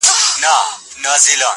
ښکارېدی چي له وطنه لیري تللی!